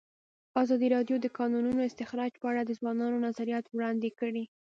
ازادي راډیو د د کانونو استخراج په اړه د ځوانانو نظریات وړاندې کړي.